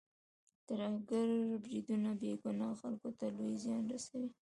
ترهګریز بریدونه بې ګناه خلکو ته لوی زیان رسوي.